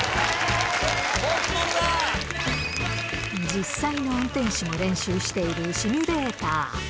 実際の運転士も練習しているシミュレーター。